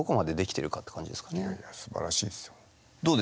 いやいやすばらしいですよ。